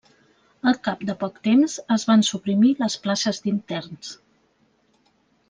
Al cap de poc temps es van suprimir les places d'interns.